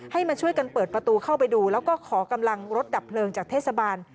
มาช่วยกันเปิดประตูเข้าไปดูแล้วก็ขอกำลังรถดับเพลิงจากเทศบาล